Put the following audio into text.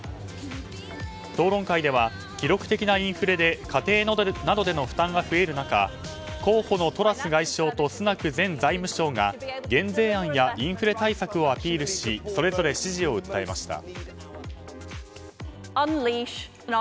討論会では記録的なインフレで家庭などでの負担が増える中候補のトラス外相とスナク前財務相が減税案やインフレ対策をアピールしそれぞれ支持を訴えました。